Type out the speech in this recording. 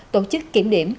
tổ chức kiểm điểm